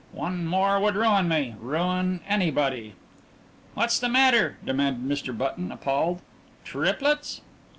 One more would ruin me ruin anybody." "What's the matter?" demanded Mr. Button appalled. "Triplets?"